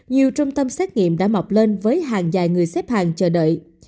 nhiều trung tâm xét nghiệm đã mọc lên với hàng dài người xếp hàng chờ đợi